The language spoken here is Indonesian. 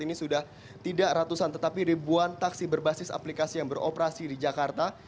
ini sudah tidak ratusan tetapi ribuan taksi berbasis aplikasi yang beroperasi di jakarta